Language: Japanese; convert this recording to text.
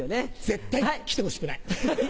絶対来てほしくない。